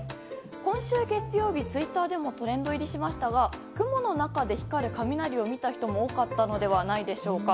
今週月曜日、ツイッターでもトレンド入りしましたが、雲の中で光る雷を見た人も多かったのではないでしょうか。